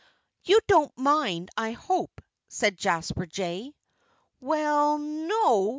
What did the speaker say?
"You don't mind, I hope?" said Jasper Jay. "Well n no!"